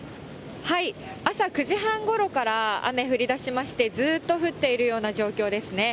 朝９時半ごろから雨降りだしまして、ずっと降っているような状況ですね。